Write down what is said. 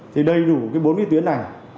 thì đầy đủ cái bốn cái tuyến này